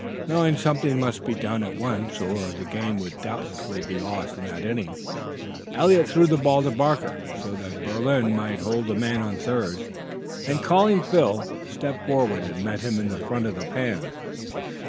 Knowing something must be done at once or the game would doubtless be lost in that inning, Eliot threw the ball to Barker, so that Berlin might hold the man on third, and, calling Phil, stepped forward and met him in front of the pan.